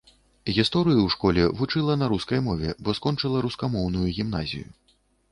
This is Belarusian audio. Гісторыю ў школе вучыла на рускай мове, бо скончыла рускамоўную гімназію.